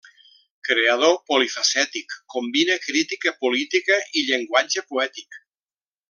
Creador polifacètic, combina crítica política i llenguatge poètic.